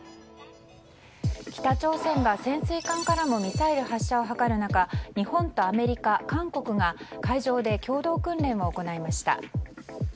北朝鮮が、潜水艦からもミサイル発射を図る中日本とアメリカ、韓国が海上で共同訓練を行いました。